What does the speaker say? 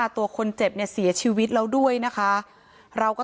ต้องรอผลพิสูจน์จากแพทย์ก่อนนะคะ